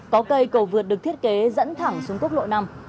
có cây cầu vượt được thiết kế dẫn thẳng xuống quốc lộ năm